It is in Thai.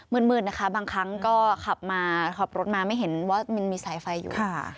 มืดบางครั้งก็ขับรถมาไม่เห็นว่ามีสายไฟอยู่